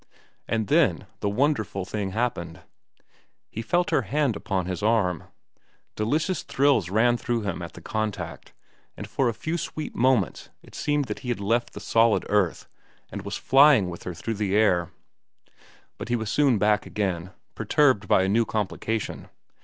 And then the wonderful thing happened. He felt her hand upon his arm. Delicious thrills ran through him at the contact, and for a few sweet moments it seemed that he had left the solid earth and was flying with her through the air. But he was soon back again, perturbed by a new complication.